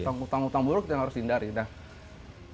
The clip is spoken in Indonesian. hutang hutang buruk itu harus dihindari